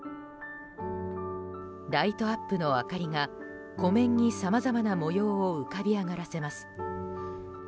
ライトアップの明かりが湖面にさまざまな模様を浮かび上がらせます。